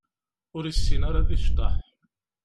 Ur yessin ara ad yecḍeḥ.